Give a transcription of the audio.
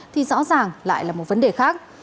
thì rõ ràng lại là một vấn đề khác